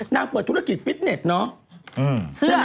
เปิดธุรกิจฟิตเน็ตเนอะ